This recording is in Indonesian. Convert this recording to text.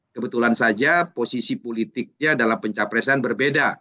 kebetulan saja posisi politiknya dalam pencapresan berbeda